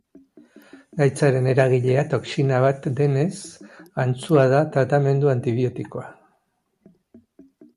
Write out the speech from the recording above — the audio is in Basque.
Gaitzaren eragilea toxina bat denez, antzua da tratamendu antibiotikoa.